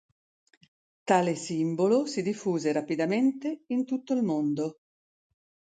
Tale simbolo si diffuse rapidamente in tutto il mondo.